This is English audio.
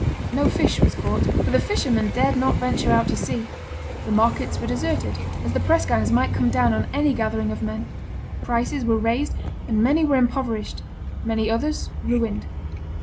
No fish was caught, for the fishermen dared not venture out to sea; the markets were deserted, as the press gangs might come down on any gathering of men; prices were raised, and many were impoverished; many others ruined.